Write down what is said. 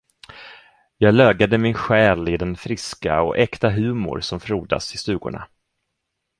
Jag lögade min själ i den friska och äkta humor som frodas i stugorna.